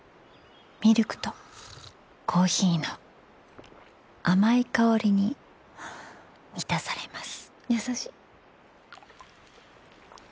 ミルクとコーヒーの甘い香りに満たされますやさしっ。